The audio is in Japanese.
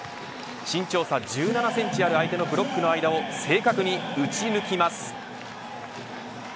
身長差１７センチあるブロックの間を正確に打ち抜きます。